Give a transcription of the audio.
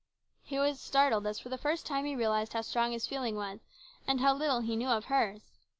He was startled as for the first time he realised how strong his feeling was and how little he knew of hers.